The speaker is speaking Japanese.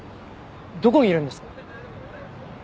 どこにいるんですか？